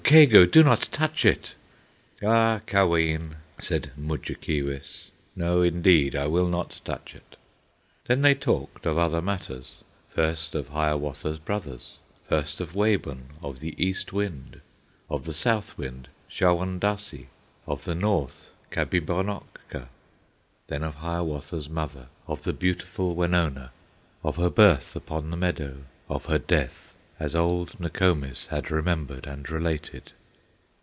kago! do not touch it!" "Ah, kaween!" said Mudjekeewis, "No indeed, I will not touch it!" Then they talked of other matters; First of Hiawatha's brothers, First of Wabun, of the East Wind, Of the South Wind, Shawondasee, Of the North, Kabibonokka; Then of Hiawatha's mother, Of the beautiful Wenonah, Of her birth upon the meadow, Of her death, as old Nokomis Had remembered and related.